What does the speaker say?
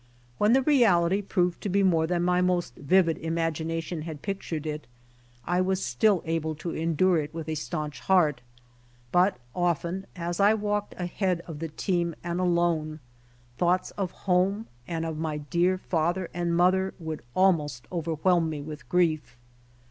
W^ien the reality proved to be more than my most vivid imagina tion had pictured it, I was still able to endure it with a staunch heart, but often as I walked ahead of the team and alone, thoughts of home and my dear father and mother would almost overwhelm me with grief.